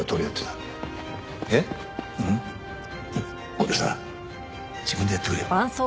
これさ自分でやってくれよ。